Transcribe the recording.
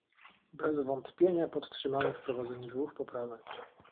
Bez wątpienia podtrzymamy wprowadzenie dwóch poprawek